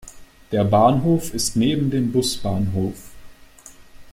Der Bahnhof ist neben dem Busbahnhof.